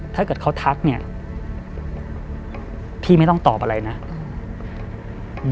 ถ้าเกิดเขาทักเนี่ยพี่ไม่ต้องตอบอะไรนะอืม